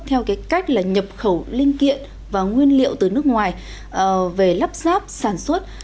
theo cái cách là nhập khẩu linh kiện và nguyên liệu từ nước ngoài về lắp ráp sản xuất